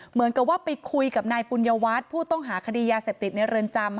เหมือนกับว่าไปคุยกับนายปุญญวัฒน์ผู้ต้องหาคดียาเสพติดในเรือนจำ